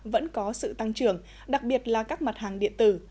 vẫn có sự tăng trưởng đặc biệt là các mặt hàng điện tử